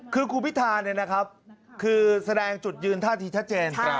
คือคุณพิธาแสดงจุดยืนท่าทีชัดเจน